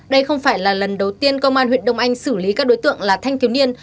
đây không phải là lần đầu tiên công an huyện đông anh xử lý các đối tượng là thanh thiếu niên